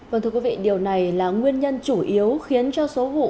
vâng thưa quý vị điều này là nguyên nhân chủ yếu